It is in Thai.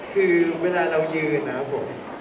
คือเวลาเรายืนนะครับผม